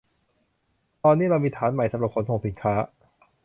ตอนนี้เรามีฐานใหม่สำหรับขนส่งสินค้า